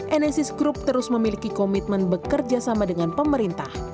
enesis group terus memiliki komitmen bekerja sama dengan pemerintah